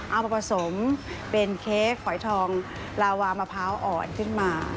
เอามาผสมเป็นเค้กฝอยทองลาวามะพร้าวอ่อนขึ้นมา